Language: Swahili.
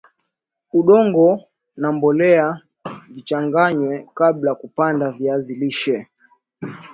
udongo na mbolea vichanganywe kabla kupanda viazi lishe